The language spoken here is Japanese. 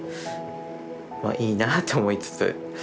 いいなって思いつつ。